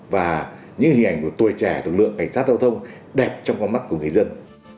và những hình ảnh của tuổi trẻ lực lượng cảnh sát giao thông đẹp trong con mắt của người dân